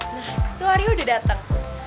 nah tuh arya udah dateng